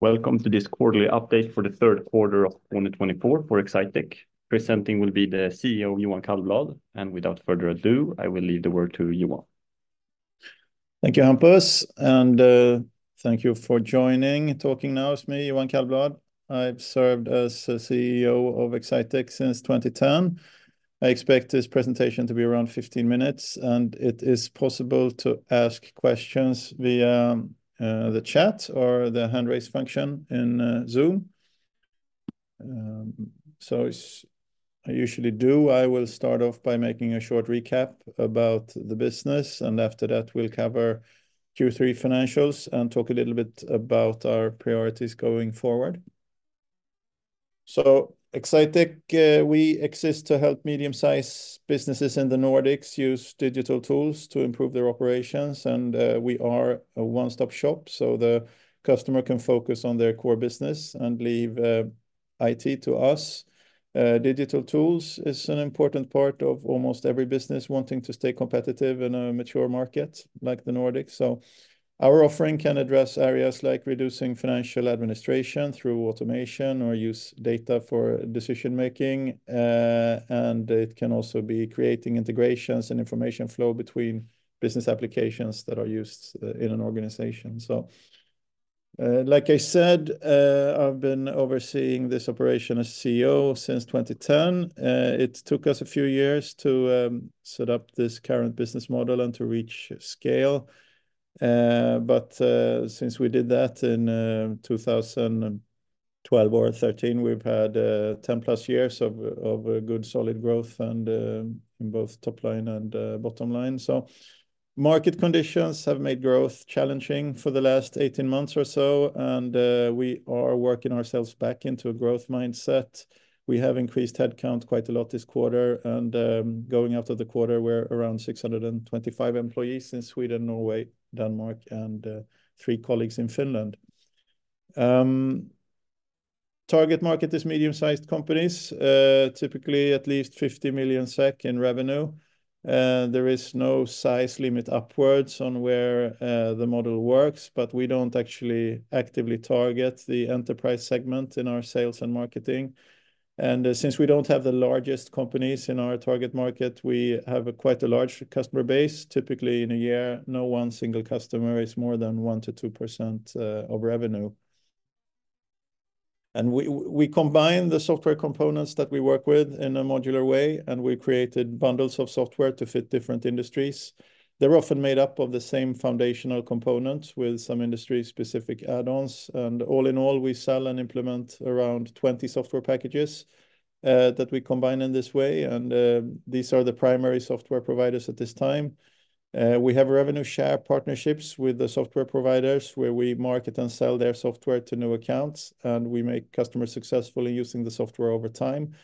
Welcome to this quarterly update for the third quarter of 2024 for Exsitec. Presenting will be the CEO, Johan Kallblad, and without further ado, I will leave the word to Johan. Thank you, Hampus, and thank you for joining. Talking now is me, Johan Kallblad. I've served as the CEO of Exsitec since 2010. I expect this presentation to be around 15 minutes, and it is possible to ask questions via the chat or the hand-raise function in Zoom. So as I usually do, I will start off by making a short recap about the business, and after that, we'll cover Q3 financials and talk a little bit about our priorities going forward. Exsitec, we exist to help medium-sized businesses in the Nordics use digital tools to improve their operations, and we are a one-stop shop, so the customer can focus on their core business and leave IT to us. Digital tools is an important part of almost every business wanting to stay competitive in a mature market like the Nordics. So our offering can address areas like reducing financial administration through automation or use data for decision-making, and it can also be creating integrations and information flow between business applications that are used, in an organization. Like I said, I've been overseeing this operation as CEO since 2010. It took us a few years to set up this current business model and to reach scale. But since we did that in 2012 or 2013, we've had 10-plus years of good, solid growth and in both top line and bottom line. Market conditions have made growth challenging for the last 18 months or so, and we are working ourselves back into a growth mindset. We have increased headcount quite a lot this quarter, and going after the quarter, we're around 625 employees in Sweden, Norway, Denmark, and three colleagues in Finland. Target market is medium-sized companies, typically at least 50 million SEK in revenue. There is no size limit upwards on where the model works, but we don't actually actively target the enterprise segment in our sales and marketing. And since we don't have the largest companies in our target market, we have quite a large customer base. Typically in a year, no one single customer is more than 1-2% of revenue. And we combine the software components that we work with in a modular way, and we created bundles of software to fit different industries. They're often made up of the same foundational components with some industry-specific add-ons. All in all, we sell and implement around 20 software packages that we combine in this way, and these are the primary software providers at this time. We have revenue share partnerships with the software providers, where we market and sell their software to new accounts, and we make customers successful in using the software over time.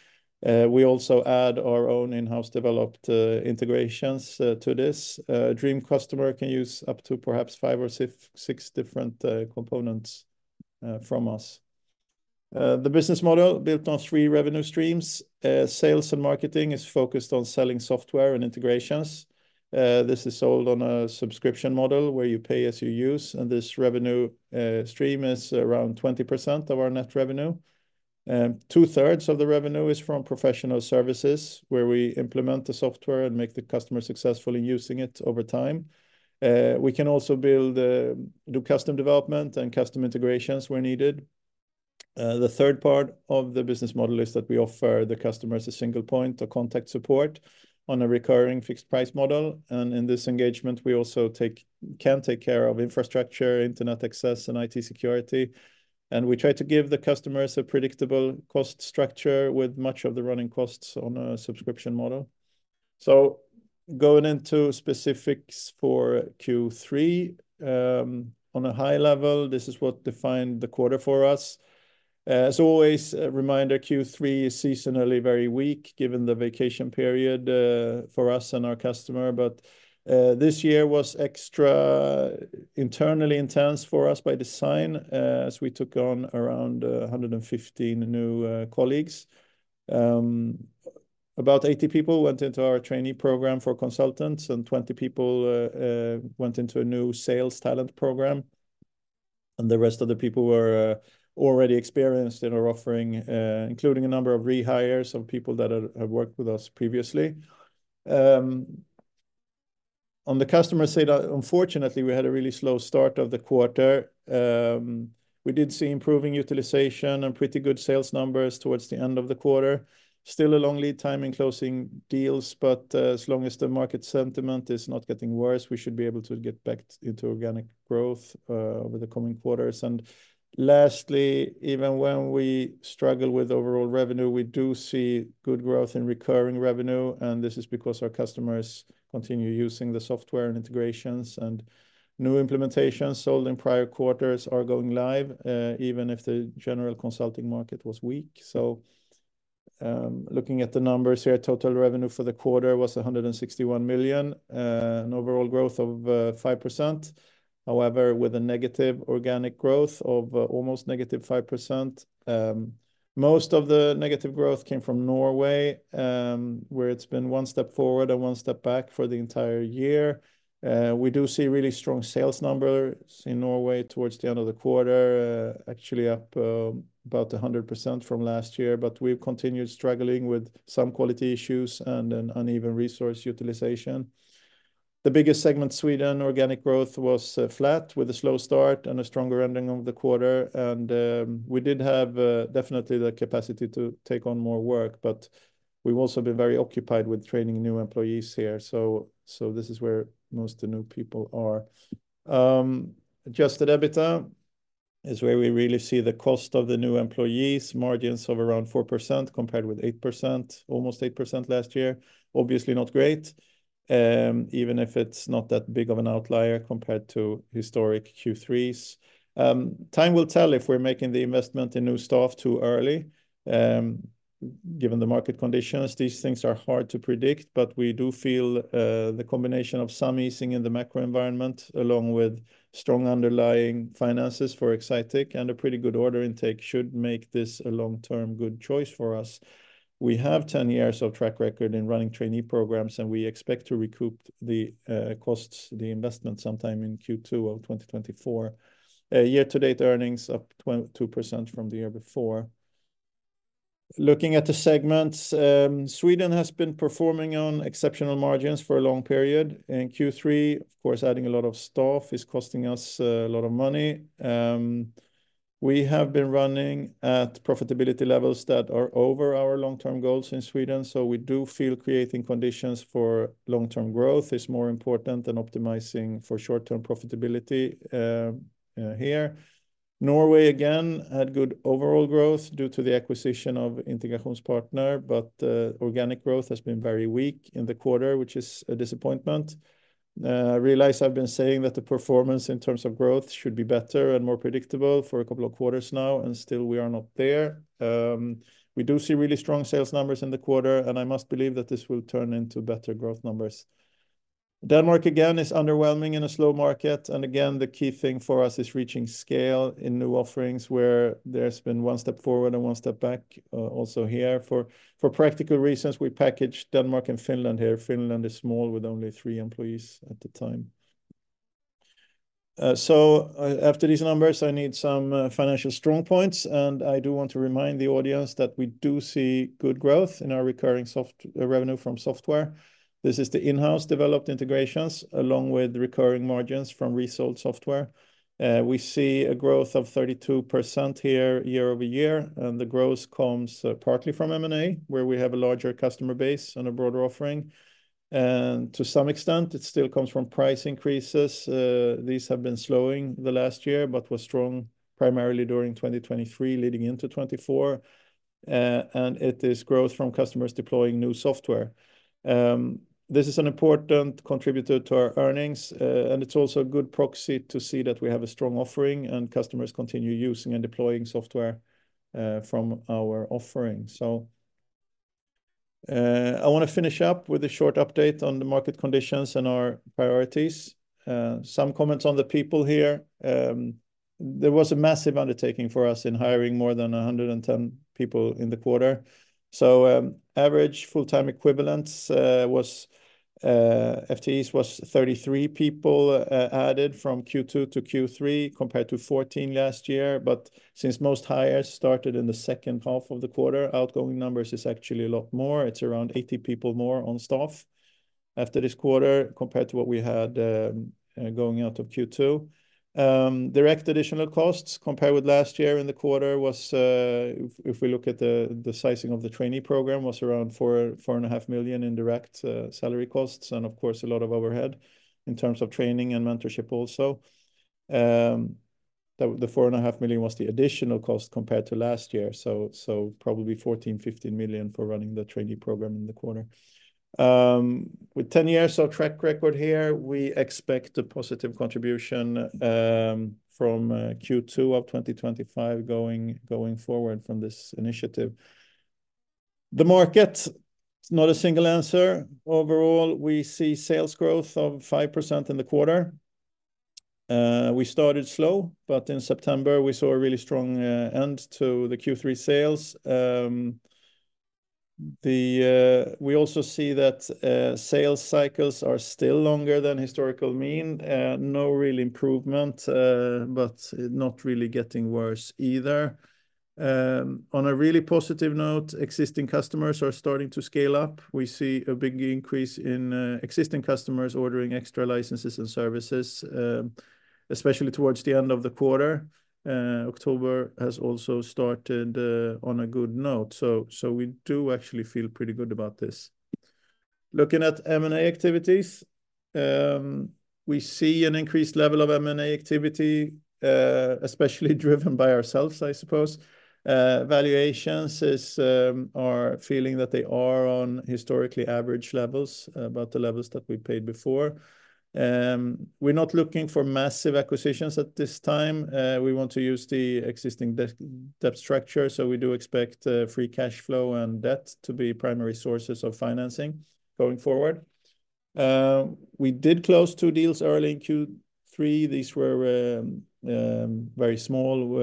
We also add our own in-house developed integrations to this. Dream customer can use up to perhaps 5 or 6 different components from us. The business model built on 3 revenue streams. Sales and marketing is focused on selling software and integrations. This is sold on a subscription model, where you pay as you use, and this revenue stream is around 20% of our net revenue. Two-thirds of the revenue is from professional services, where we implement the software and make the customer successful in using it over time. We can also build, do custom development and custom integrations where needed. The third part of the business model is that we offer the customers a single point of contact support on a recurring fixed-price model, and in this engagement, we also take... can take care of infrastructure, internet access, and IT security, and we try to give the customers a predictable cost structure with much of the running costs on a subscription model. Going into specifics for Q3, on a high level, this is what defined the quarter for us. As always, a reminder, Q3 is seasonally very weak, given the vacation period, for us and our customer. But this year was extra internally intense for us by design, as we took on around a hundred and fifteen new colleagues. About eighty people went into our trainee program for consultants, and 20 people went into a new sales talent program, and the rest of the people were already experienced in our offering, including a number of rehires of people that had worked with us previously. On the customer side, unfortunately, we had a really slow start of the quarter. We did see improving utilization and pretty good sales numbers towards the end of the quarter. Still a long lead time in closing deals, but as long as the market sentiment is not getting worse, we should be able to get back into organic growth over the coming quarters. And lastly, even when we struggle with overall revenue, we do see good growth in recurring revenue, and this is because our customers continue using the software and integrations. And new implementations sold in prior quarters are going live, even if the general consulting market was weak. So, looking at the numbers here, total revenue for the quarter was 161 million, an overall growth of 5%. However, with a negative organic growth of almost -5%, most of the negative growth came from Norway, where it's been one step forward and one step back for the entire year. We do see really strong sales numbers in Norway towards the end of the quarter, actually up about 100% from last year, but we've continued struggling with some quality issues and an uneven resource utilization. The biggest segment, Sweden organic growth, was flat with a slow start and a stronger ending of the quarter, and we did have definitely the capacity to take on more work, but we've also been very occupied with training new employees here, so this is where most of the new people are. Adjusted EBITDA is where we really see the cost of the new employees. Margins of around 4% compared with 8%, almost 8% last year. Obviously not great, even if it's not that big of an outlier compared to historic Q3s. Time will tell if we're making the investment in new staff too early. Given the market conditions, these things are hard to predict, but we do feel the combination of some easing in the macro environment, along with strong underlying finances for Exsitec and a pretty good order intake, should make this a long-term good choice for us. We have ten years of track record in running trainee programs, and we expect to recoup the costs, the investment sometime in Q2 of 2024. Year-to-date earnings up 2% from the year before. Looking at the segments, Sweden has been performing on exceptional margins for a long period. In Q3, of course, adding a lot of staff is costing us a lot of money. We have been running at profitability levels that are over our long-term goals in Sweden, so we do feel creating conditions for long-term growth is more important than optimizing for short-term profitability here. Norway, again, had good overall growth due to the acquisition of Integrasjonspartner, but organic growth has been very weak in the quarter, which is a disappointment. I realize I've been saying that the performance in terms of growth should be better and more predictable for a couple of quarters now, and still we are not there. We do see really strong sales numbers in the quarter, and I must believe that this will turn into better growth numbers. Denmark, again, is underwhelming in a slow market, and again, the key thing for us is reaching scale in new offerings where there's been one step forward and one step back, also here. For practical reasons, we packaged Denmark and Finland here. Finland is small, with only three employees at the time. So, after these numbers, I need some financial strong points, and I do want to remind the audience that we do see good growth in our recurring software revenue from software. This is the in-house developed integrations, along with recurring margins from resold software. We see a growth of 32% here year over year, and the growth comes partly from M&A, where we have a larger customer base and a broader offering. To some extent, it still comes from price increases. These have been slowing the last year but were strong primarily during 2023, leading into 2024 and it is growth from customers deploying new software. This is an important contributor to our earnings, and it's also a good proxy to see that we have a strong offering and customers continue using and deploying software from our offering, so I wanna finish up with a short update on the market conditions and our priorities. Some comments on the people here. There was a massive undertaking for us in hiring more than 110 people in the quarter. Average full-time equivalents, FTEs, was 33 people added from Q2 to Q3, compared to 14 last year. But since most hires started in the second half of the quarter, outgoing numbers is actually a lot more. It's around 80 people more on staff after this quarter compared to what we had going out of Q2. Direct additional costs compared with last year in the quarter was, if we look at the sizing of the trainee program, around 4 million-4.5 million in direct salary costs and, of course, a lot of overhead in terms of training and mentorship also. The 4.5 million was the additional cost compared to last year, so probably 14 million-15 million for running the trainee program in the quarter. With 10 years of track record here, we expect a positive contribution from Q2 of 2025 going forward from this initiative. The market, it's not a single answer. Overall, we see sales growth of 5% in the quarter. We started slow, but in September, we saw a really strong end to the Q3 sales. We also see that sales cycles are still longer than historical mean. No real improvement, but not really getting worse either. On a really positive note, existing customers are starting to scale up. We see a big increase in existing customers ordering extra licenses and services, especially towards the end of the quarter. October has also started on a good note, so we do actually feel pretty good about this. Looking at M&A activities, we see an increased level of M&A activity, especially driven by ourselves, I suppose. Valuations are feeling that they are on historically average levels, about the levels that we paid before. We're not looking for massive acquisitions at this time. We want to use the existing debt structure, so we do expect free cash flow and debt to be primary sources of financing going forward. We did close two deals early in Q3. These were very small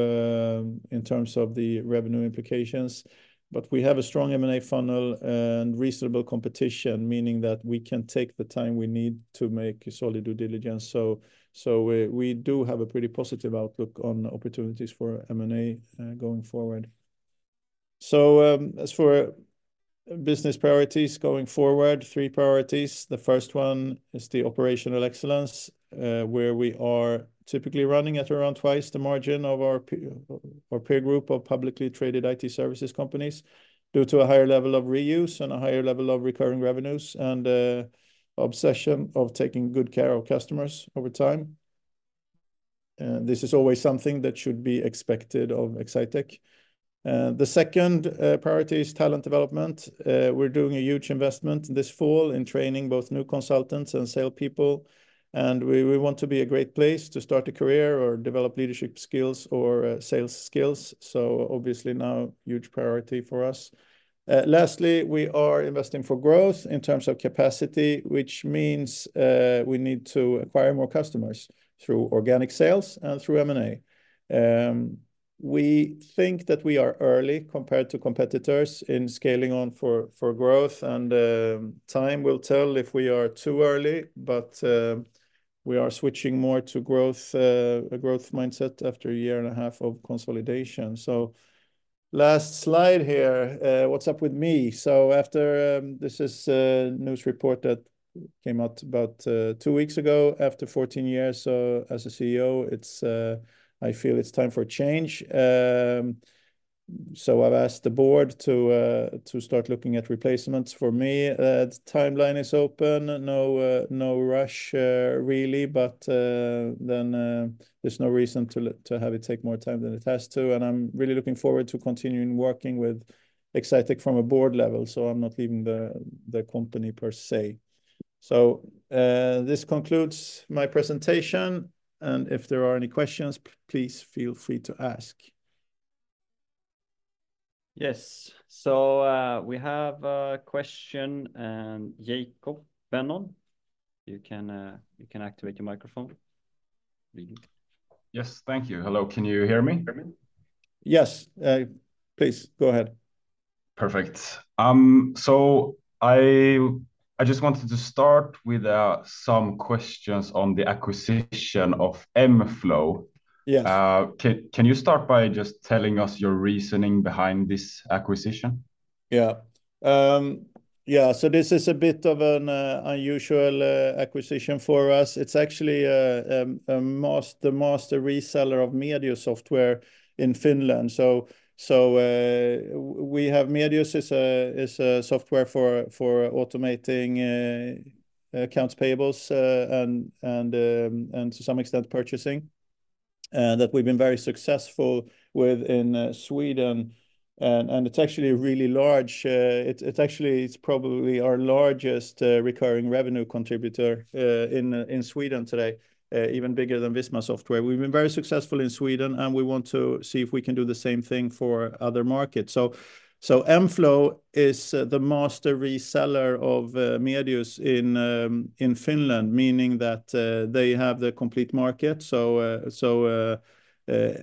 in terms of the revenue implications, but we have a strong M&A funnel and reasonable competition, meaning that we can take the time we need to make a solid due diligence. So we do have a pretty positive outlook on opportunities for M&A going forward. So, as for business priorities going forward, three priorities. The first one is the operational excellence, where we are typically running at around twice the margin of our peer group of publicly traded IT services companies, due to a higher level of reuse and a higher level of recurring revenues, and obsession of taking good care of customers over time. And this is always something that should be expected of Exsitec. And the second priority is talent development. We're doing a huge investment this fall in training both new consultants and salespeople, and we want to be a great place to start a career or develop leadership skills or sales skills, so obviously now, huge priority for us. Lastly, we are investing for growth in terms of capacity, which means we need to acquire more customers through organic sales and through M&A. We think that we are early compared to competitors in scaling on for growth, and time will tell if we are too early, but we are switching more to growth, a growth mindset after a year and a half of consolidation. So last slide here, what's up with me? So after... This is a news report that came out about two weeks ago, after 14 years as a CEO. It's, I feel it's time for a change. So I've asked the board to start looking at replacements for me. The timeline is open, no rush really, but then there's no reason to have it take more time than it has to, and I'm really looking forward to continuing working with Exsitec from a board level, so I'm not leaving the company per se. So, this concludes my presentation, and if there are any questions, please feel free to ask. Yes. So, we have a question, and Jacob Vennon, you can activate your microphone. Please do. Yes, thank you. Hello, can you hear me? Yes, please go ahead. Perfect. So I just wanted to start with some questions on the acquisition of mFlow. Yes. Can you start by just telling us your reasoning behind this acquisition? Yeah. Yeah, so this is a bit of an unusual acquisition for us. It's actually the master reseller of Medius Software in Finland. So we have Medius is a software for automating accounts payables and to some extent purchasing that we've been very successful with in Sweden. It's actually really large. It's actually probably our largest recurring revenue contributor in Sweden today, even bigger than Visma Software. We've been very successful in Sweden, and we want to see if we can do the same thing for other markets. mFlow is the master reseller of Medius in Finland, meaning that they have the complete market.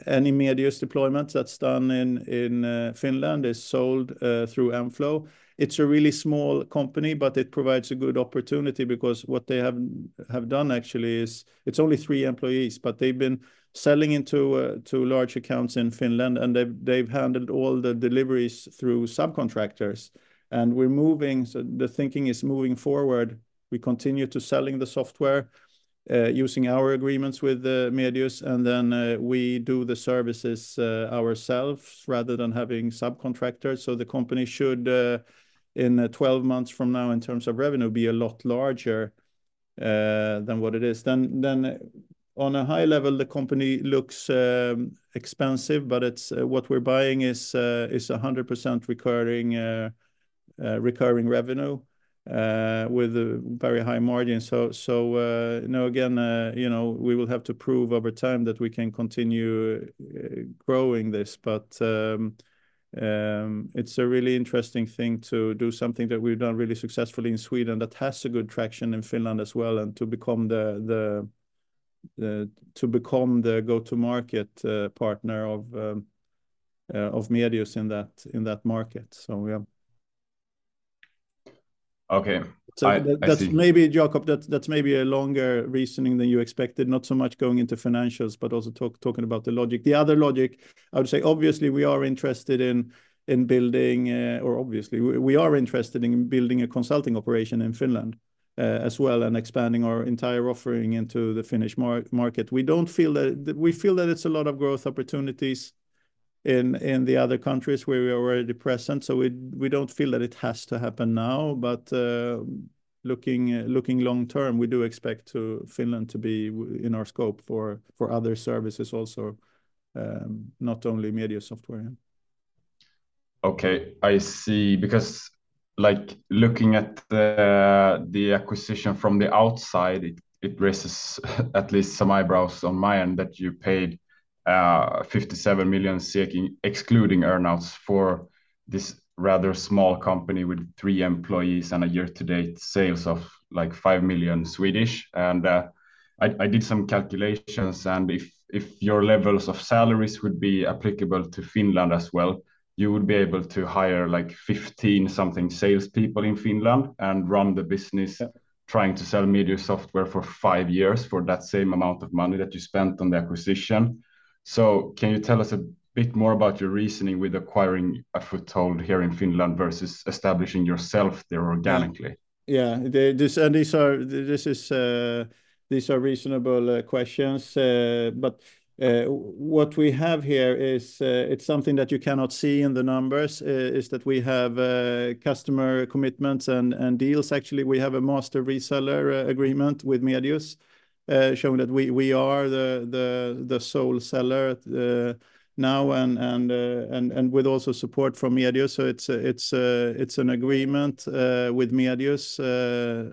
Any Medius deployment that's done in Finland is sold through mFlow. It's a really small company, but it provides a good opportunity because what they have done actually is... It's only three employees, but they've been selling to large accounts in Finland, and they've handled all the deliveries through subcontractors. We're moving, so the thinking is moving forward, we continue to selling the software using our agreements with the Medius, and then we do the services ourselves rather than having subcontractors. The company should in 12 months from now, in terms of revenue, be a lot larger than what it is. Then on a high level, the company looks expensive, but it's what we're buying is 100% recurring revenue with a very high margin. So now again, you know, we will have to prove over time that we can continue growing this, but it's a really interesting thing to do something that we've done really successfully in Sweden that has a good traction in Finland as well, and to become the go-to-market partner of Medius in that market, so yeah. Okay. I see. So that's maybe, Jacob, that's maybe a longer reasoning than you expected, not so much going into financials, but also talking about the logic. The other logic, I would say, obviously, we are interested in building a consulting operation in Finland, as well, and expanding our entire offering into the Finnish market. We don't feel that. We feel that it's a lot of growth opportunities in the other countries where we are already present, so we don't feel that it has to happen now, but looking long term, we do expect Finland to be in our scope for other services also, not only Medius software. Okay, I see. Because, like, looking at the acquisition from the outside, it raises at least some eyebrows on my end, that you paid 57 million excluding earn-outs, for this rather small company with three employees and a year-to-date sales of, like, 5 million. And I did some calculations, and if your levels of salaries would be applicable to Finland as well, you would be able to hire, like, 15-something salespeople in Finland and run the business trying to sell Medius software for five years for that same amount of money that you spent on the acquisition. So can you tell us a bit more about your reasoning with acquiring a foothold here in Finland versus establishing yourself there organically? Yeah, these are reasonable questions. But what we have here is it's something that you cannot see in the numbers is that we have customer commitments and deals. Actually, we have a master reseller agreement with Medius showing that we are the sole seller now, and with also support from Medius. So it's an agreement with Medius, a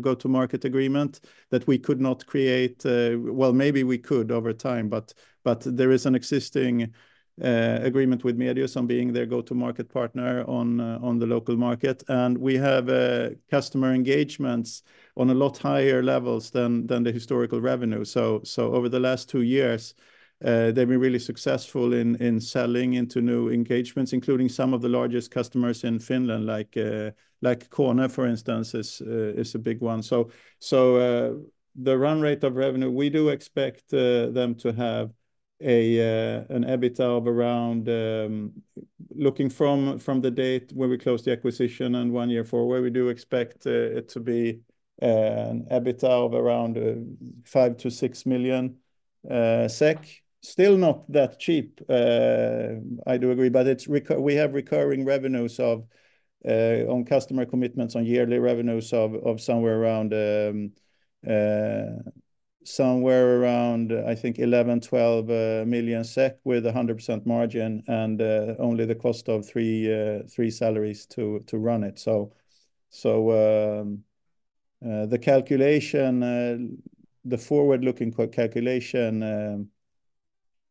go-to-market agreement that we could not create. Well, maybe we could over time, but there is an existing agreement with Medius on being their go-to-market partner on the local market. And we have customer engagements on a lot higher levels than the historical revenue. So over the last two years, they've been really successful in selling into new engagements, including some of the largest customers in Finland, like KONE, for instance, is a big one. The run rate of revenue, we do expect them to have an EBITDA of around. Looking from the date when we closed the acquisition and one year forward, we do expect it to be an EBITDA of around 5 million-6 million SEK SEK. Still not that cheap, I do agree, but it's rec- we have recurring revenues of. On customer commitments, on yearly revenues of somewhere around, I think 11 million-12 million SEK with 100% margin, and only the cost of three salaries to run it. The forward-looking calculation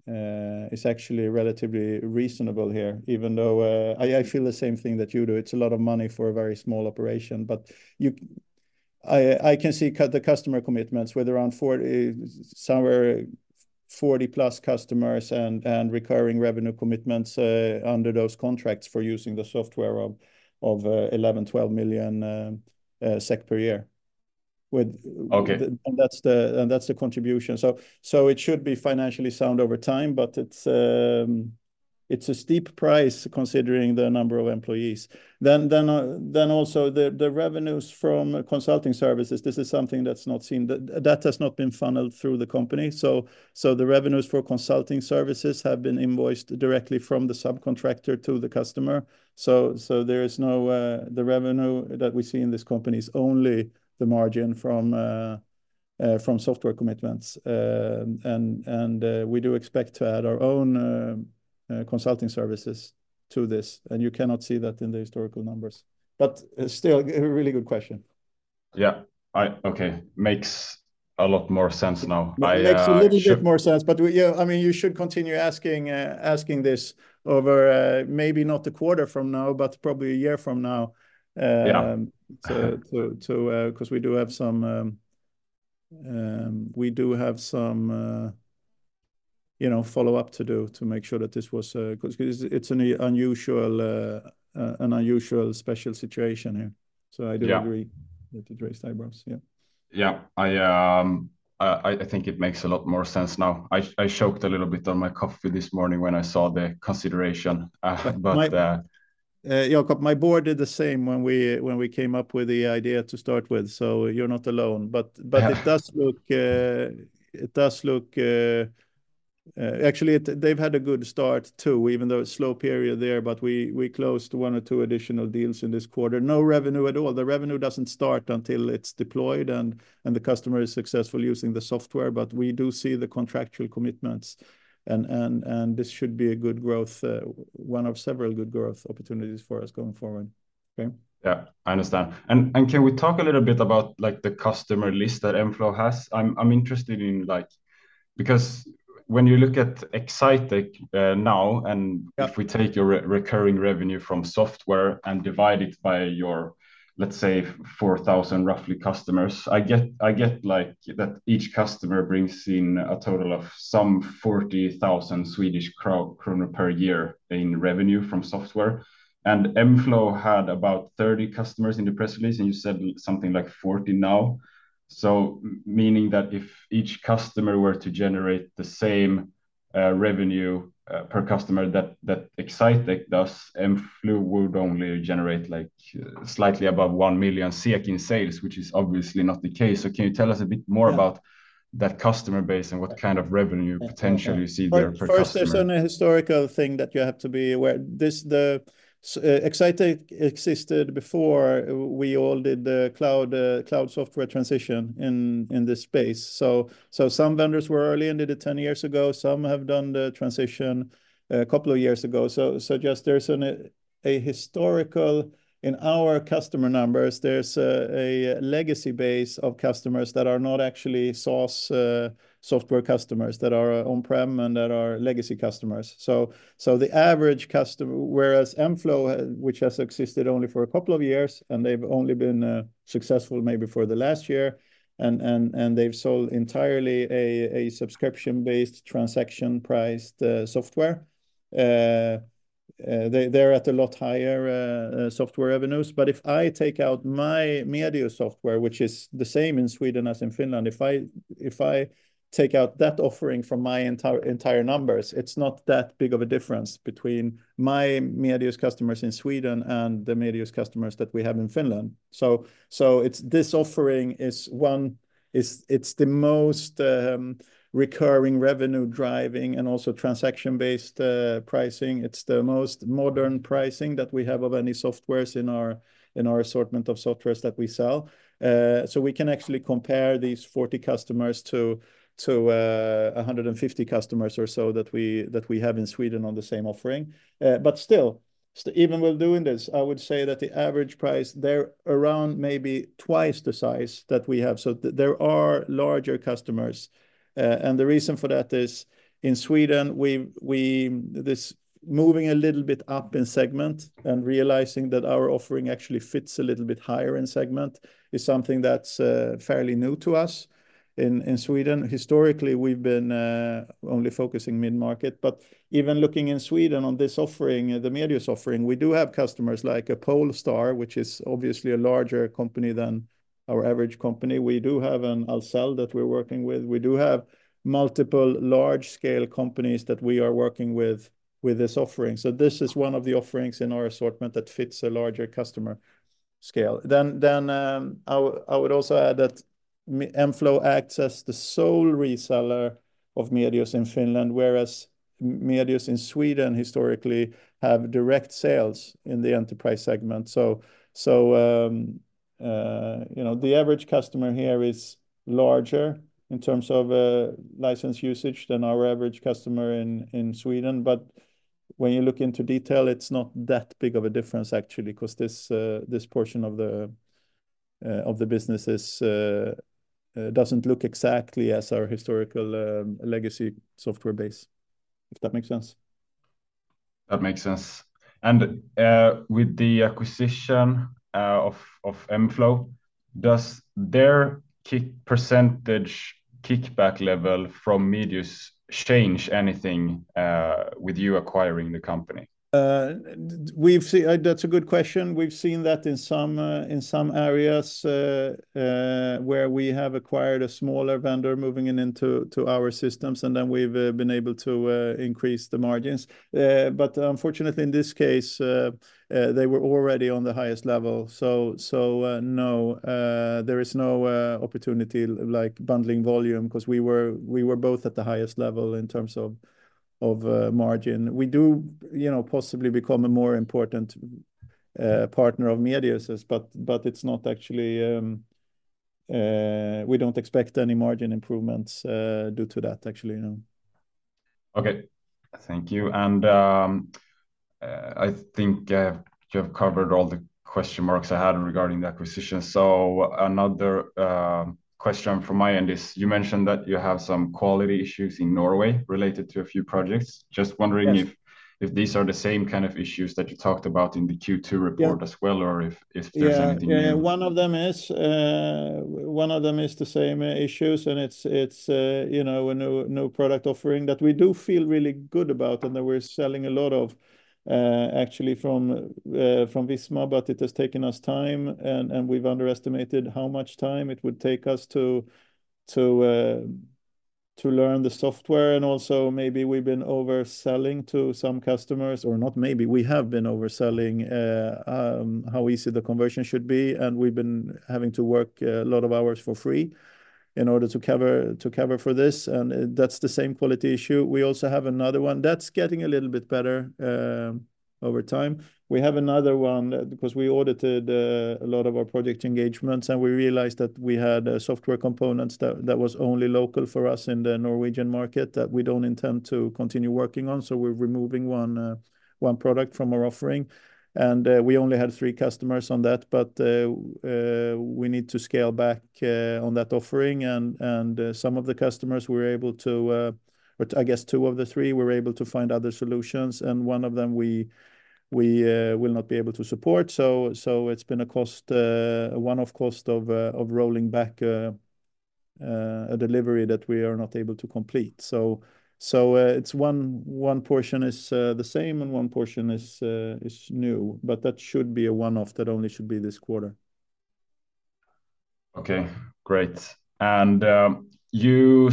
is actually relatively reasonable here, even though I feel the same thing that you do. It's a lot of money for a very small operation, but I can see the customer commitments with around four, somewhere 40-plus customers and recurring revenue commitments under those contracts for using the software of 11 million SEK -12 million SEK per year with- Okay. And that's the contribution. So it should be financially sound over time, but it's a steep price, considering the number of employees. Then also the revenues from consulting services, this is something that's not seen. That has not been funneled through the company. So there is no. The revenue that we see in this company is only the margin from software commitments. And we do expect to add our own consulting services to this, and you cannot see that in the historical numbers. But still, a really good question. Yeah. Okay, makes a lot more sense now. It makes a little bit more sense. But, yeah, I mean, you should continue asking this over, maybe not a quarter from now, but probably a year from now. Yeah... so, 'cause we do have some. We do have some, you know, follow-up to do to make sure that this was, 'cause it's an unusual special situation here. Yeah. I do agree that you raise eyebrows. Yeah. Yeah. I think it makes a lot more sense now. I choked a little bit on my coffee this morning when I saw the consideration, but Jacob, my board did the same when we came up with the idea to start with, so you're not alone. Yeah. But it does look. Actually, they've had a good start, too, even though a slow period there, but we closed one or two additional deals in this quarter. No revenue at all. The revenue doesn't start until it's deployed and the customer is successful using the software, but we do see the contractual commitments, and this should be a good growth, one of several good growth opportunities for us going forward. Okay? Yeah, I understand. And can we talk a little bit about, like, the customer list that mFlow has? I'm interested in, like... Because when you look at Exsitec, now, and- Yeah... if we take your recurring revenue from software and divide it by your, let's say, 4,000, roughly, customers, I get, like, that each customer brings in a total of some 40,000 Swedish kronor per year in revenue from software. And mFlow had about 30 customers in the press release, and you said something like 40 now. So meaning that if each customer were to generate the same revenue per customer that Exsitec does, mFlow would only generate, like, slightly above 1 million in sales, which is obviously not the case. So can you tell us a bit more about- Yeah... that customer base and what kind of revenue potential you see there per customer? First, there's a historical thing that you have to be aware. Exsitec existed before we all did the cloud software transition in this space. So some vendors were early and did it 10 years ago. Some have done the transition a couple of years ago. So just there's a historical in our customer numbers. There's a legacy base of customers that are not actually SaaS software customers that are on-prem and that are legacy customers. So the average customer... Whereas mFlow, which has existed only for a couple of years, and they've only been successful maybe for the last year, and they've sold entirely a subscription-based transaction-priced software. They're at a lot higher software revenues. But if I take out my Medius software, which is the same in Sweden as in Finland, if I take out that offering from my entire numbers, it's not that big of a difference between my Medius's customers in Sweden and the Medius's customers that we have in Finland. So it's. This offering is one, it's the most recurring revenue driving and also transaction-based pricing. It's the most modern pricing that we have of any software in our assortment of software that we sell. So we can actually compare these 40 customers to 150 customers or so that we have in Sweden on the same offering. But still, even while doing this, I would say that the average price, they're around maybe twice the size that we have. There are larger customers. And the reason for that is in Sweden, we. This moving a little bit up in segment and realizing that our offering actually fits a little bit higher in segment, is something that's fairly new to us in Sweden. Historically, we've been only focusing mid-market. But even looking in Sweden on this offering, the Medius offering, we do have customers like Polestar, which is obviously a larger company than our average company. We do have an Ahlsell that we're working with. We do have multiple large-scale companies that we are working with, with this offering. So this is one of the offerings in our assortment that fits a larger customer scale. I would also add that mFlow acts as the sole reseller of Medius in Finland, whereas Medius in Sweden historically have direct sales in the enterprise segment. You know, the average customer here is larger in terms of license usage than our average customer in Sweden. But when you look into detail, it's not that big of a difference, actually, 'cause this portion of the business doesn't look exactly as our historical legacy software base, if that makes sense. That makes sense. And, with the acquisition of mFlow, does their key percentage kickback level from Medius change anything with you acquiring the company? That's a good question. We've seen that in some areas where we have acquired a smaller vendor moving into our systems, and then we've been able to increase the margins. Unfortunately, in this case, they were already on the highest level. No, there is no opportunity like bundling volume, 'cause we were both at the highest level in terms of margin. We do, you know, possibly become a more important partner of Medius, but it's not actually... We don't expect any margin improvements due to that, actually, no. Okay, thank you, and I think you have covered all the question marks I had regarding the acquisition, so another question from my end is, you mentioned that you have some quality issues in Norway related to a few projects. Yes. Just wondering if these are the same kind of issues that you talked about in the Q2 report? Yeah... as well, or if there's anything new? Yeah. One of them is the same issues, and it's you know, a new product offering that we do feel really good about and that we're selling a lot of actually from Visma. But it has taken us time, and we've underestimated how much time it would take us to learn the software. And also, maybe we've been overselling to some customers, or not maybe, we have been overselling how easy the conversion should be, and we've been having to work a lot of hours for free in order to cover for this, and that's the same quality issue. We also have another one that's getting a little bit better over time. We have another one, because we audited a lot of our project engagements, and we realized that we had software components that was only local for us in the Norwegian market that we don't intend to continue working on. So we're removing one product from our offering, and we only had three customers on that. But we need to scale back on that offering. But I guess two of the three were able to find other solutions, and one of them we will not be able to support. So it's been a one-off cost of rolling back a delivery that we are not able to complete. It's one portion is the same and one portion is new, but that should be a one-off that only should be this quarter. Okay, great. And you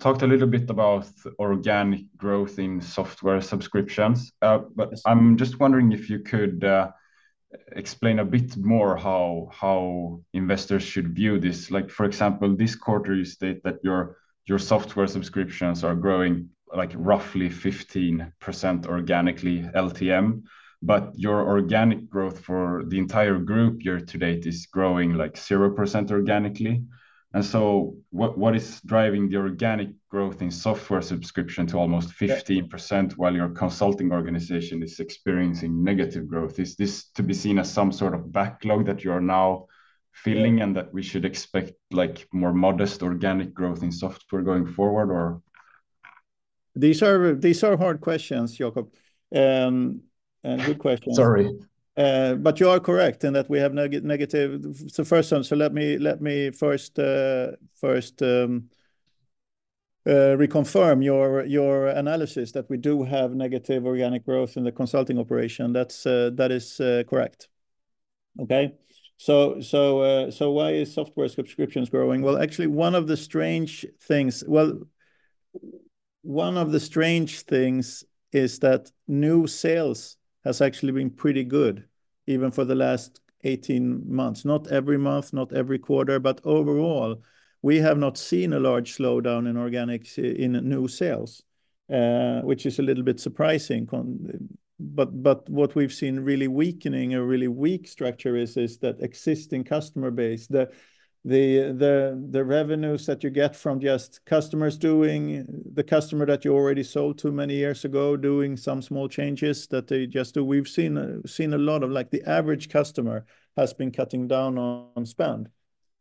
talked a little bit about organic growth in software subscriptions. But- Yes... I'm just wondering if you could explain a bit more how investors should view this. Like, for example, this quarter, you state that your software subscriptions are growing, like, roughly 15% organically LTM. But your organic growth for the entire group year to date is growing, like, 0% organically. And so what is driving the organic growth in software subscription to almost 15%- Yeah ...% while your consulting organization is experiencing negative growth? Is this to be seen as some sort of backlog that you are now filling and that we should expect, like, more modest organic growth in software going forward, or? These are hard questions, Jacob, good questions. Sorry. But you are correct in that we have negative. So first one, so let me first, reconfirm your analysis that we do have negative organic growth in the consulting operation. That's. That is, correct. Okay, so why is software subscriptions growing? Well, actually, one of the strange things is that new sales has actually been pretty good, even for the last 18 months. Not every month, not every quarter, but overall, we have not seen a large slowdown in organics in new sales, which is a little bit surprising con- But what we've seen really weakening, a really weak structure, is that existing customer base. The revenues that you get from just customers doing... The customer that you already sold to many years ago doing some small changes that they just do. We've seen a lot of, like, the average customer has been cutting down on spend.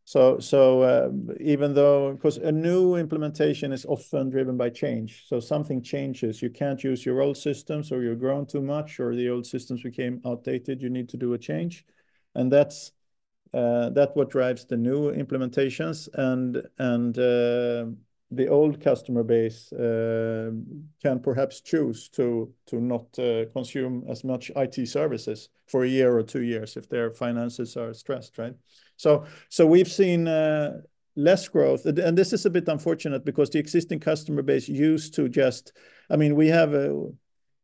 So even though 'cause a new implementation is often driven by change, so something changes. You can't use your old systems, or you've grown too much, or the old systems became outdated. You need to do a change, and that's what drives the new implementations. And the old customer base can perhaps choose to not consume as much IT services for a year or two years if their finances are stressed, right? So we've seen less growth, and this is a bit unfortunate because the existing customer base used to just... I mean, we have a,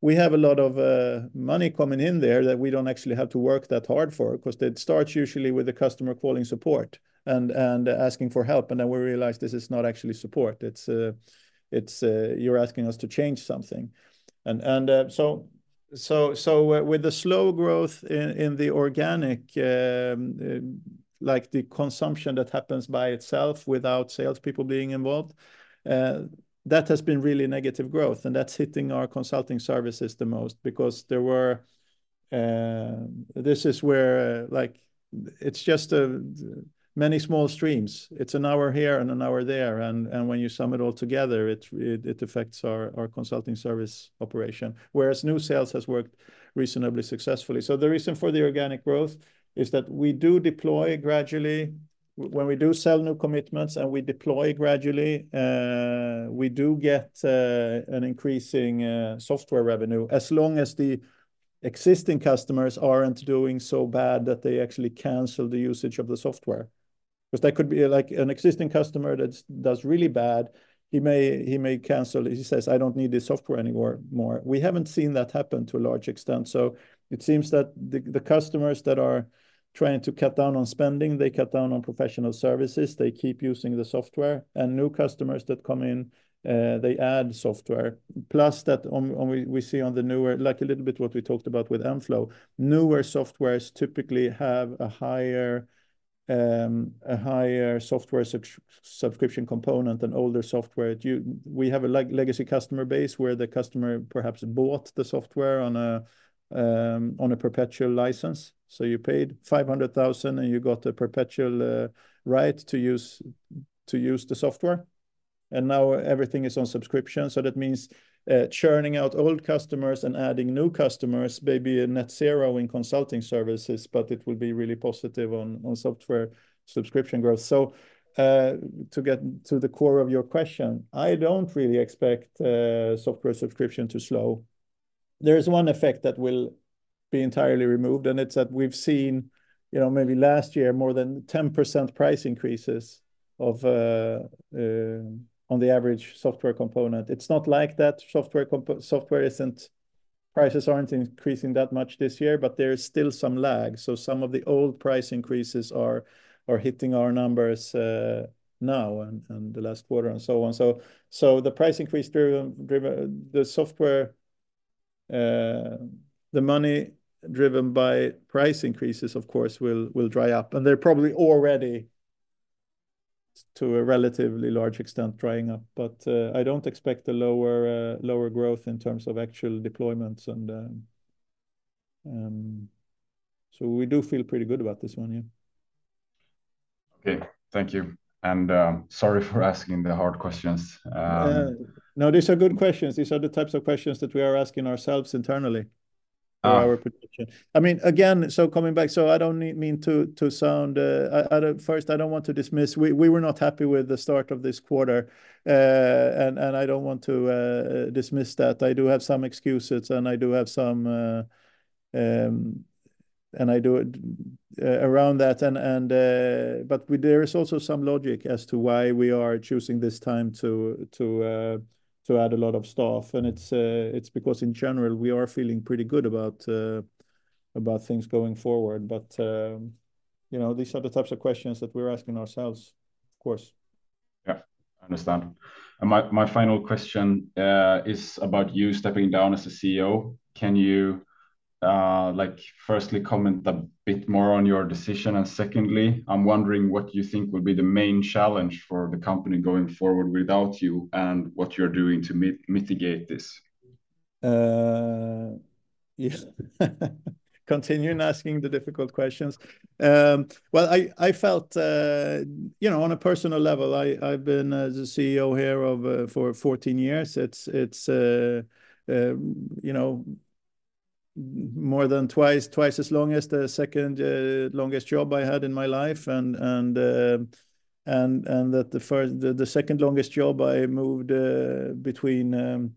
we have a lot of money coming in there that we don't actually have to work that hard for. 'Cause it starts usually with a customer calling support and asking for help, and then we realize this is not actually support. It's, it's, you're asking us to change something. And with the slow growth in the organic, like the consumption that happens by itself without salespeople being involved, that has been really negative growth, and that's hitting our consulting services the most. Because there were. This is where, like, it's just many small streams. It's an hour here and an hour there, and when you sum it all together, it affects our consulting service operation, whereas new sales has worked reasonably successfully. So the reason for the organic growth is that we do deploy gradually. When we do sell new commitments and we deploy gradually, we do get an increasing software revenue, as long as the existing customers aren't doing so bad that they actually cancel the usage of the software. 'Cause there could be, like, an existing customer that does really bad, he may cancel it. He says, "I don't need this software anymore." We haven't seen that happen to a large extent, so it seems that the customers that are trying to cut down on spending, they cut down on professional services. They keep using the software, and new customers that come in, they add software. Plus that, and we see on the newer, like a little bit what we talked about with mFlow, newer softwares typically have a higher, a higher software subscription component than older software. We have a legacy customer base, where the customer perhaps bought the software on a, on a perpetual license. So you paid 500,000, and you got the perpetual right to use the software, and now everything is on subscription. So that means, churning out old customers and adding new customers, maybe a net zero in consulting services, but it will be really positive on, on software subscription growth. So, to get to the core of your question, I don't really expect software subscription to slow. There is one effect that will be entirely removed, and it's that we've seen, you know, maybe last year, more than 10% price increases on the average software component. It's not like that software isn't. Prices aren't increasing that much this year, but there is still some lag. So some of the old price increases are hitting our numbers now and the last quarter and so on. So the money driven by price increases, of course, will dry up, and they're probably already, to a relatively large extent, drying up. But I don't expect a lower growth in terms of actual deployments and so we do feel pretty good about this one here. Okay, thank you, and, sorry for asking the hard questions. Yeah. No, these are good questions. These are the types of questions that we are asking ourselves internally- Ah... for our prediction. I mean, again, so coming back, so I don't mean to sound. I first, I don't want to dismiss. We were not happy with the start of this quarter, and I don't want to dismiss that. I do have some excuses, and I do have some. And I do around that, and, but we- there is also some logic as to why we are choosing this time to add a lot of staff, and it's because, in general, we are feeling pretty good about about things going forward. But you know, these are the types of questions that we're asking ourselves, of course. Yeah, I understand. And my final question is about you stepping down as the CEO. Can you, like, firstly, comment a bit more on your decision? And secondly, I'm wondering what you think will be the main challenge for the company going forward without you and what you're doing to mitigate this. Yeah. Continuing asking the difficult questions. Well, I felt. You know, on a personal level, I've been the CEO here for 14 years. It's more than twice as long as the second longest job I had in my life. And the second longest job I moved between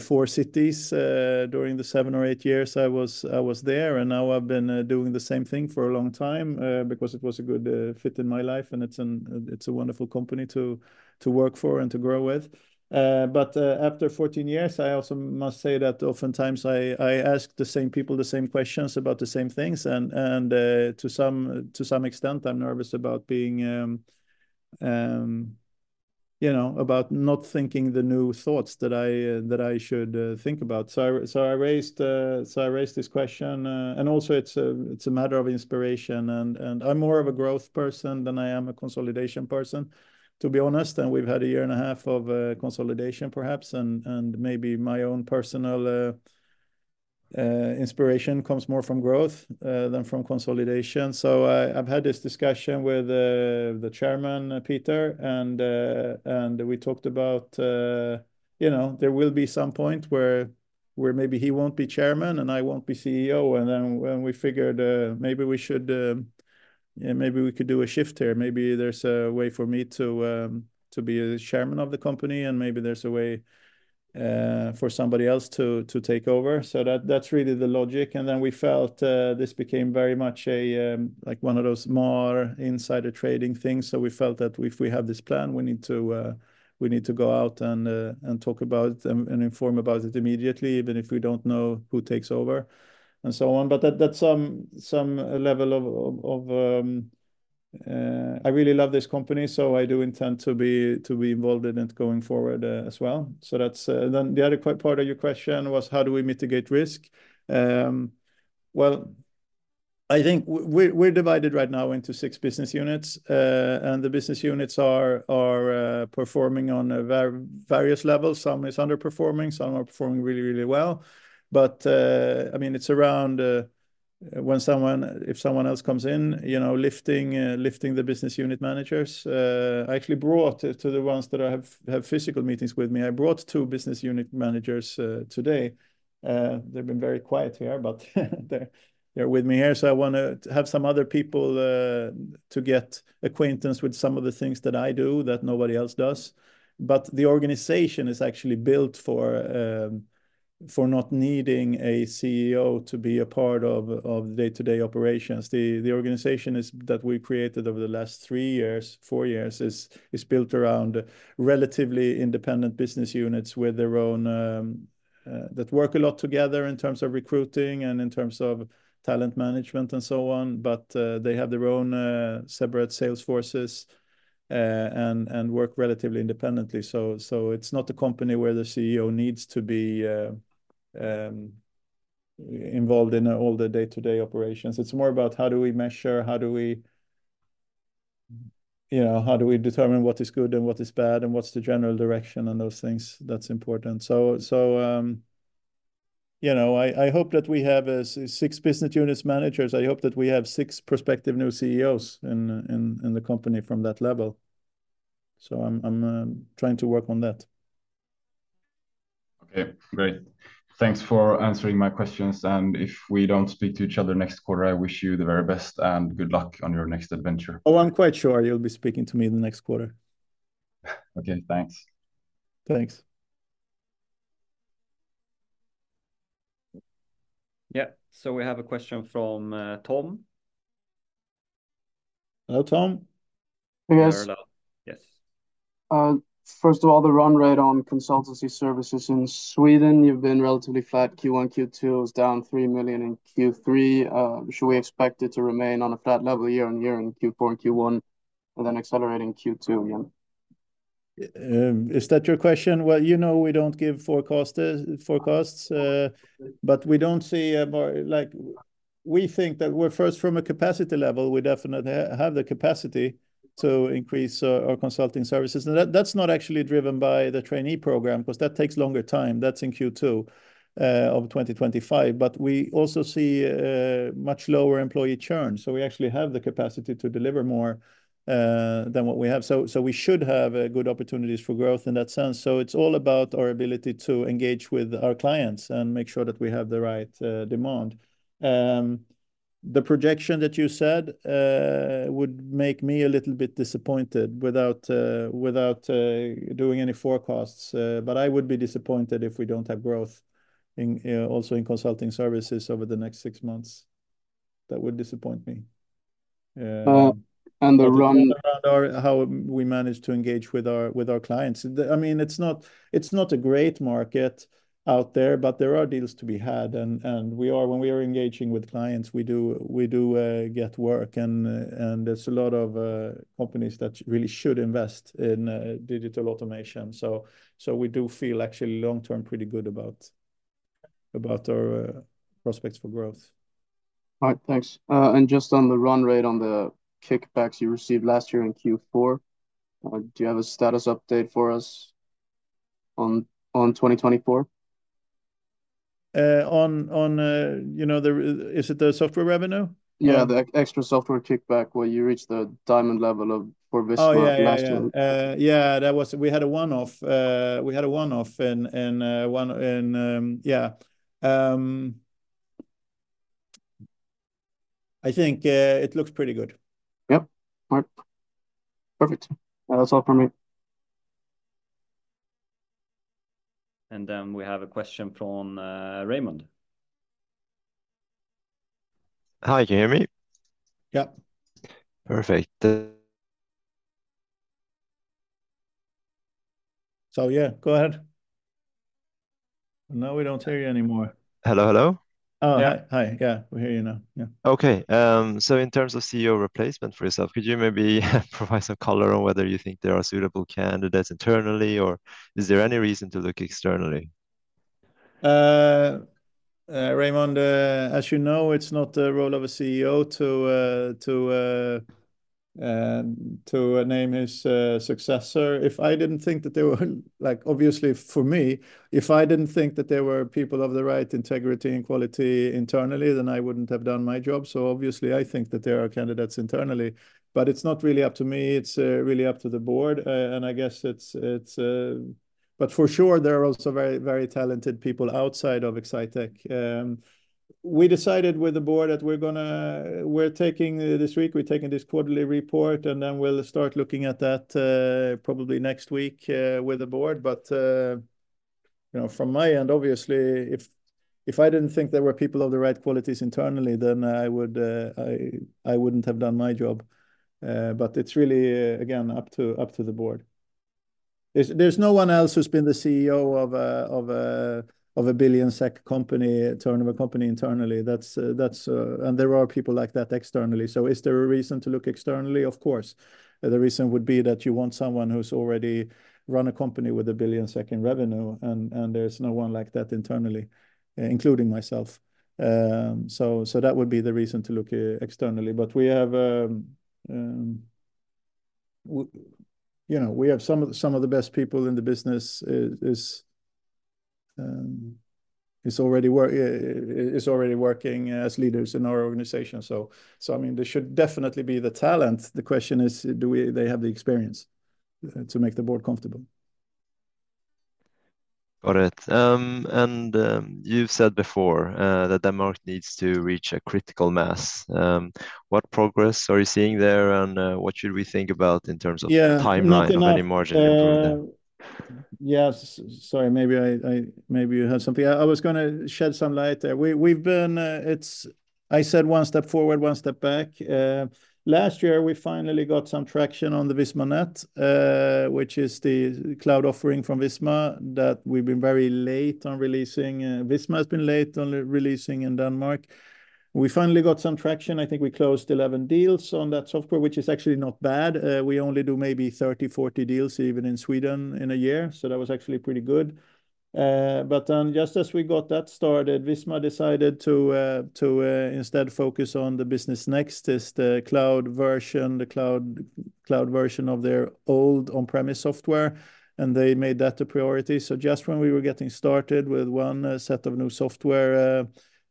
four cities during the seven or eight years I was there, and now I've been doing the same thing for a long time because it was a good fit in my life, and it's a wonderful company to work for and to grow with. But after 14 years, I also must say that oftentimes I ask the same people the same questions about the same things, and to some extent, I'm nervous about being, you know, about not thinking the new thoughts that I should think about. So I raised this question, and also it's a matter of inspiration, and I'm more of a growth person than I am a consolidation person, to be honest, and we've had a year and a half of consolidation perhaps, and maybe my own personal inspiration comes more from growth than from consolidation. So I, I've had this discussion with the chairman, Peter, and we talked about, you know, there will be some point where maybe he won't be chairman and I won't be CEO, and then when we figured, maybe we should, yeah, maybe we could do a shift here. Maybe there's a way for me to be the chairman of the company, and maybe there's a way for somebody else to take over. So that, that's really the logic, and then we felt this became very much a, like, one of those more insider trading things. So we felt that if we have this plan, we need to go out and talk about it and inform about it immediately, even if we don't know who takes over, and so on. But that's some level of... I really love this company, so I do intend to be involved in it going forward, as well. So that's... Then the other part of your question was, how do we mitigate risk? Well, I think we're divided right now into six business units, and the business units are performing on various levels. Some is underperforming, some are performing really, really well. But, I mean, it's around when someone... If someone else comes in, you know, lifting the business unit managers. I actually brought to the ones that I have physical meetings with me, I brought two business unit managers today. They've been very quiet here, but they're with me here, so I wanna have some other people to get acquainted with some of the things that I do that nobody else does. The organization is actually built for not needing a CEO to be a part of day-to-day operations. The organization that we created over the last three years, four years, is built around relatively independent business units with their own that work a lot together in terms of recruiting and in terms of talent management, and so on. But they have their own separate sales forces and work relatively independently. So it's not a company where the CEO needs to be involved in all the day-to-day operations. It's more about how do we measure, how do we, you know, how do we determine what is good and what is bad, and what's the general direction, and those things that's important? So, you know, I hope that we have six business units managers. I hope that we have six prospective new CEOs in the company from that level, so I'm trying to work on that. Okay, great. Thanks for answering my questions, and if we don't speak to each other next quarter, I wish you the very best, and good luck on your next adventure. Oh, I'm quite sure you'll be speaking to me in the next quarter. Okay, thanks. Thanks. Yeah, so we have a question from Tom. Hello, Tom. Hey, guys. Yes. First of all, the run rate on consultancy services in Sweden, you've been relatively flat Q1, Q2 is down 3 million in Q3. Should we expect it to remain on a flat level year on year in Q4 and Q1, and then accelerate in Q2 again? Is that your question? Well, you know, we don't give forecasts, but we don't see a more... Like, we think that we're first, from a capacity level, we definitely have the capacity to increase our consulting services, and that's not actually driven by the trainee program, 'cause that takes longer time. That's in Q2 of 2025. But we also see much lower employee churn, so we actually have the capacity to deliver more than what we have. So we should have good opportunities for growth in that sense. So it's all about our ability to engage with our clients and make sure that we have the right demand. The projection that you said would make me a little bit disappointed without doing any forecasts, but I would be disappointed if we don't have growth in also in consulting services over the next six months. That would disappoint me. on the run- On the run, or how we manage to engage with our clients. I mean, it's not a great market out there, but there are deals to be had, and we are. When we are engaging with clients, we do get work, and there's a lot of companies that really should invest in digital automation. So we do feel actually long term, pretty good about our prospects for growth. All right, thanks, and just on the run rate on the kickbacks you received last year in Q4, do you have a status update for us on 2024? On, you know, the, is it the software revenue? Yeah, the extra software kickback, where you reached the Diamond level for Visma last year. Oh, yeah, yeah. Yeah, that was... We had a one-off in one. I think it looks pretty good. Yep. All right. Perfect. That's all from me. And then we have a question from Raymond. Hi, can you hear me? Yep. Perfect, uh- So yeah, go ahead. Now we don't hear you anymore. Hello, hello? Oh, hi. Yeah. Hi. Yeah, we hear you now. Yeah. Okay, so in terms of CEO replacement for yourself, could you maybe provide some color on whether you think there are suitable candidates internally, or is there any reason to look externally? Raymond, as you know, it's not the role of a CEO to name his successor. If I didn't think that there were people of the right integrity and quality internally, then I wouldn't have done my job, so obviously I think that there are candidates internally, but it's not really up to me, it's really up to the board, and I guess it's... but for sure, there are also very, very talented people outside of Exsitec. We decided with the board that we're gonna take this week this quarterly report, and then we'll start looking at that, probably next week, with the board. But you know, from my end, obviously, if I didn't think there were people of the right qualities internally, then I would, I wouldn't have done my job. But it's really, again, up to the board. There's no one else who's been the CEO of 1 billion SEK company, turnover of a company internally, that's. And there are people like that externally. So is there a reason to look externally? Of course. The reason would be that you want someone who's already run a company with 1 billion revenue, and there's no one like that internally, including myself. So that would be the reason to look externally. But we have, you know, we have some of the best people in the business is already working as leaders in our organization. So, I mean, there should definitely be the talent. The question is, do they have the experience to make the board comfortable? Got it. And you've said before that Denmark needs to reach a critical mass. What progress are you seeing there, and what should we think about in terms of- Yeah... timeline and any margin improvement? Yes. Sorry, maybe you had something. I was gonna shed some light there. We've been, it's... I said one step forward, one step back. Last year, we finally got some traction on the Visma.net, which is the cloud offering from Visma, that we've been very late on releasing. Visma has been late on releasing in Denmark. We finally got some traction. I think we closed 11 deals on that software, which is actually not bad. We only do maybe 30-40 deals even in Sweden in a year, so that was actually pretty good. But just as we got that started, Visma decided to instead focus on Business Next, which is the cloud version of their old on-premise software, and they made that a priority. Just when we were getting started with one set of new software,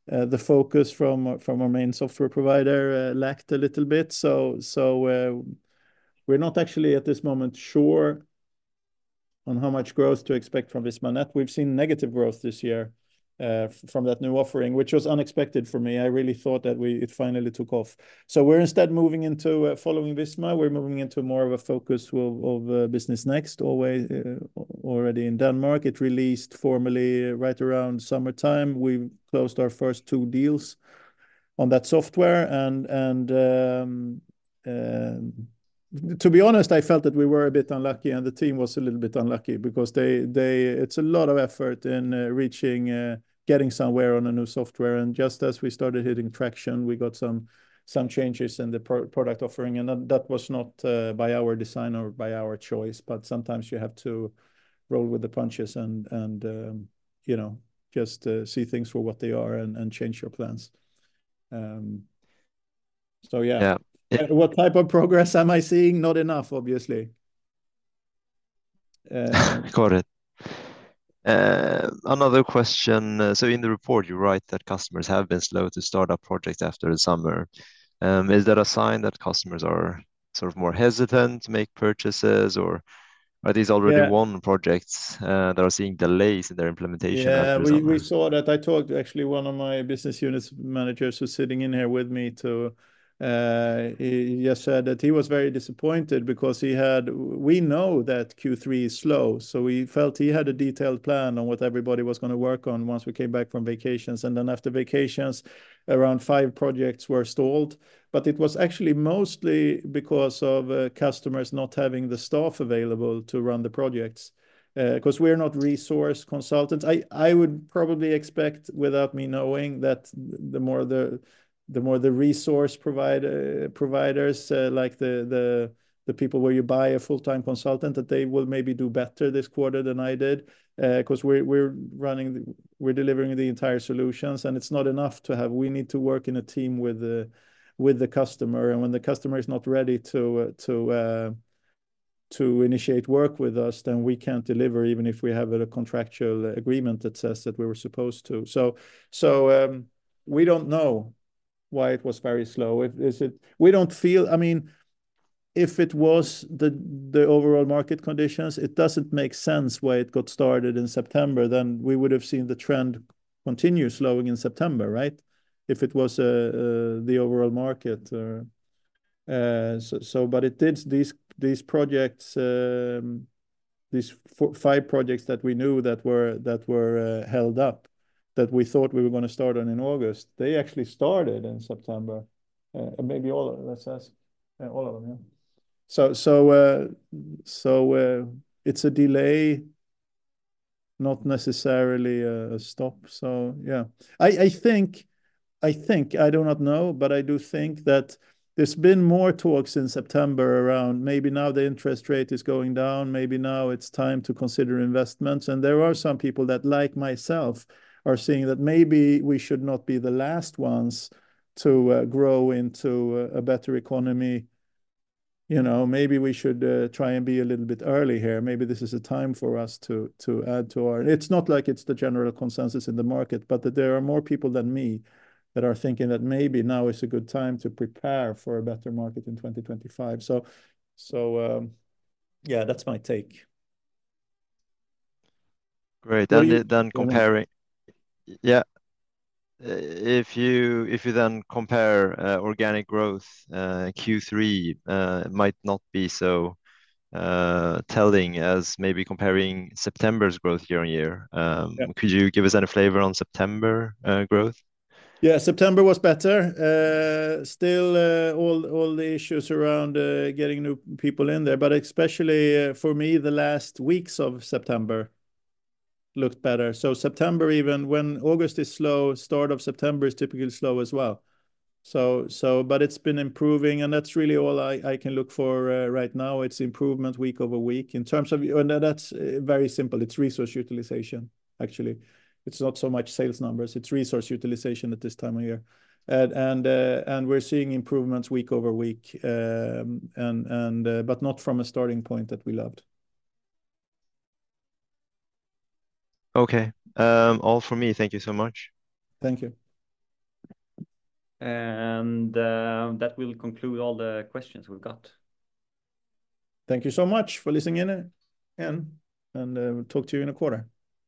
the focus from our main software provider lacked a little bit. We're not actually, at this moment, sure on how much growth to expect from Visma.net. We've seen negative growth this year from that new offering, which was unexpected for me. I really thought that it finally took off. We're instead moving into, following Visma, more of a focus of Business Next, already in Denmark. It released formally right around summertime. We closed our first two deals on that software. To be honest, I felt that we were a bit unlucky, and the team was a little bit unlucky because they... It's a lot of effort in getting somewhere on a new software, and just as we started hitting traction, we got some changes in the product offering, and that was not by our design or by our choice, but sometimes you have to roll with the punches and you know just see things for what they are and change your plans, so yeah. Yeah. What type of progress am I seeing? Not enough, obviously. Got it. Another question. So in the report, you write that customers have been slow to start a project after the summer. Is that a sign that customers are sort of more hesitant to make purchases? Or are these already- Yeah... won projects, that are seeing delays in their implementation after summer? Yeah, we, we saw that. I talked to, actually, one of my business units managers, who's sitting in here with me. He just said that he was very disappointed because he had. We know that Q3 is slow, so we felt he had a detailed plan on what everybody was gonna work on once we came back from vacations. And then after vacations, around five projects were stalled, but it was actually mostly because of customers not having the staff available to run the projects. 'Cause we're not resource consultants. I would probably expect, without me knowing, that the more the resource providers, like the people where you buy a full-time consultant, that they will maybe do better this quarter than I did. 'Cause we're delivering the entire solutions, and it's not enough to have... We need to work in a team with the customer, and when the customer is not ready to initiate work with us, then we can't deliver, even if we have a contractual agreement that says that we were supposed to. So we don't know why it was very slow. Is it... We don't feel, I mean, if it was the overall market conditions, it doesn't make sense why it got started in September, then we would've seen the trend continue slowing in September, right? If it was the overall market. So, but it did these projects, these five projects that we knew that were held up, that we thought we were gonna start on in August. They actually started in September. And maybe all of them. Let's ask... Yeah, all of them, yeah. So, it's a delay, not necessarily a stop. So yeah. I think I do not know, but I do think that there's been more talks in September around maybe now the interest rate is going down, maybe now it's time to consider investments. And there are some people that, like myself, are seeing that maybe we should not be the last ones to grow into a better economy. You know, maybe we should try and be a little bit early here. Maybe this is a time for us to add to our... It's not like it's the general consensus in the market, but that there are more people than me that are thinking that maybe now is a good time to prepare for a better market in 2025. Yeah, that's my take. Great. Well, you- Then comparing. Yeah. If you then compare organic growth, Q3 might not be so telling as maybe comparing September's growth year on year. Yeah. Could you give us any flavor on September growth? Yeah, September was better. Still, all the issues around getting new people in there, but especially for me, the last weeks of September looked better, so September, even when August is slow, start of September is typically slow as well, but it's been improving, and that's really all I can look for right now. It's improvement week over week, and that's very simple, it's resource utilization, actually. It's not so much sales numbers, it's resource utilization at this time of year, and we're seeing improvements week over week, but not from a starting point that we loved. Okay. All from me. Thank you so much. Thank you. That will conclude all the questions we've got. Thank you so much for listening in, and we'll talk to you in a quarter. Bye.